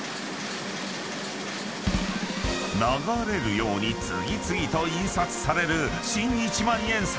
［流れるように次々と印刷される新一万円札］